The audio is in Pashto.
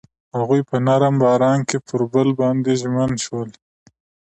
هغوی په نرم باران کې پر بل باندې ژمن شول.